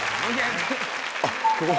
あっ！